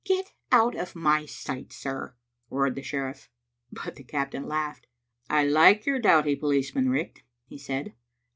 "Get out of my sight, sir!" roared the sheriff. But the captain laughed. "I like your doughty policeman, Riach,"he said.